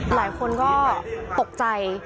หลายคนก็ตกใจ